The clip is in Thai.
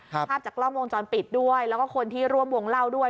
ภาพจากกล้องวงจรปิดด้วยแล้วก็คนที่ร่วมวงเล่าด้วย